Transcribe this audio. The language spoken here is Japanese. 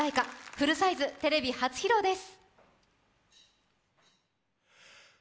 フルサイズテレビ初披露です。